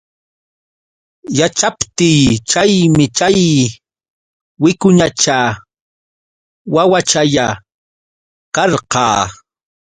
Yaćhaptiy chaymi chay wicuñacha wawachalla karqa.